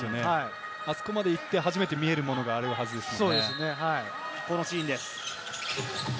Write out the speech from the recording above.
あそこまで行って初めて見えるものがあるはずですし。